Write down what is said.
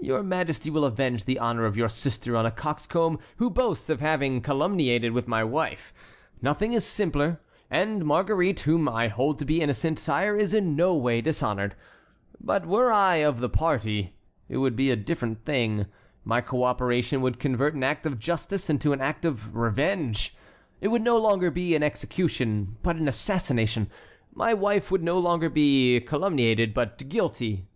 Your Majesty will avenge the honor of your sister on a coxcomb who boasts of having calumniated my wife; nothing is simpler, and Marguerite, whom I hold to be innocent, sire, is in no way dishonored. But were I of the party, it would be a different thing. My co operation would convert an act of justice into an act of revenge. It would no longer be an execution, but an assassination. My wife would no longer be calumniated, but guilty."